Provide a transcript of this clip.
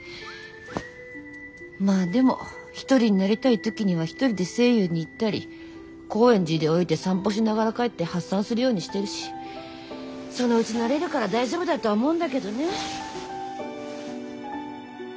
まぁでも一人になりたい時には一人でＳＡＹＹＯＵに行ったり高円寺で降りて散歩しながら帰って発散するようにしてるしそのうち慣れるから大丈夫だとは思うんだけどね。